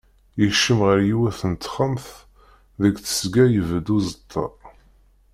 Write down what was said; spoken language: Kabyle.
Yekcem ɣer yiwet n texxamt, deg tesga ibedd uẓeṭṭa.